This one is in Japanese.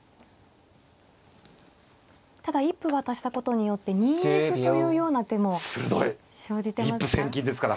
ただ一歩渡したことによって２二歩というような手も生じてますか。